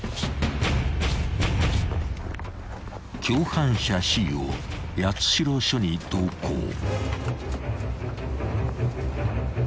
［共犯者Ｃを八代署に同行］